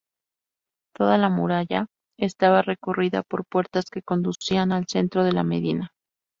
Toda la muralla estaba recorrida por puertas que conducían al centro de la medina.